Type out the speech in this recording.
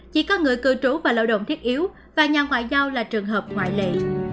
chỉ có người cư trú và lao động thiết yếu và nhà ngoại giao là trường hợp ngoại lệ